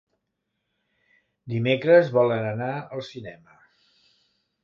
Dimecres volen anar al cinema.